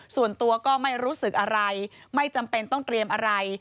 ส่วนตัวก็ไม่รู้สึกอะไรไม่จำเป็นต้องเตรียมอะไร